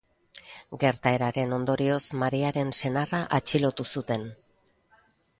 Gertaeraren ondorioz, Mariaren senarra atxilotu zuten.